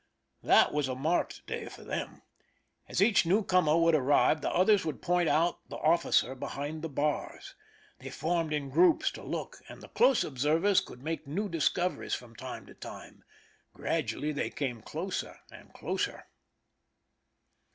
That was a marked day for them. As each newcomer would arrive, the others would point out the officer behind the bars. They formed in groups to look, and the close observers would make new discoveries from time to time. Gradually they came closer and closer.